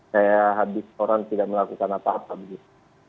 saya habis orang tidak melakukan apa apa begitu